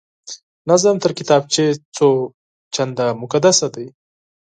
نظم تر کتابچې څو چنده مقدسه دی